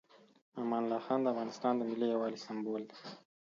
امان الله خان د افغانستان د ملي یووالي سمبول دی.